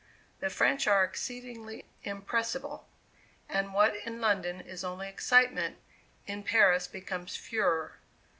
The French are exceedingly impressible; and what in London is only excitement, in Paris becomes furor.